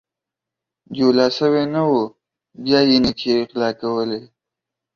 جولا سوى نه وو ، بيا يې نيچې غلا کولې.